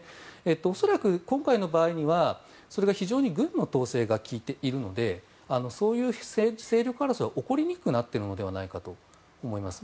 恐らく今回の場合にはそれが非常に軍の統制が利いているのでそういう勢力争いは起こりにくくなっているのではないかと思います。